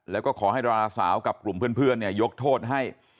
แล้วก็ขอให้ดาราสาวกับกลุ่มเพื่อนยกโทษให้